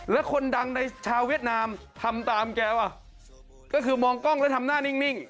แล้วคนดังในชาวเวียดนามทำตามแกว่ะก็คือมองกล้องแล้วทำหน้านิ่ง